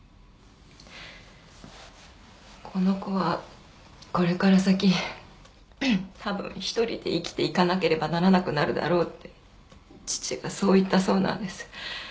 この子はこれから先多分一人で生きていかなければならなくなるだろうって父がそう言ったそうなんです。